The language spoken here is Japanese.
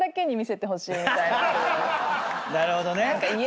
なるほどね。